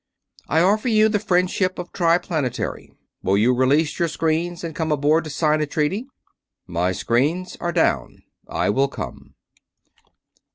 I offer you the friendship of Triplanetary. Will you release your screens and come aboard to sign a treaty?" "My screens are down. I will come."